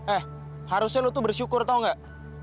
eh harusnya lu tuh bersyukur tau gak